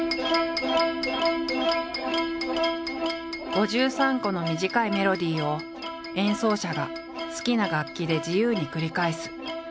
５３個の短いメロディーを演奏者が好きな楽器で自由に繰り返す。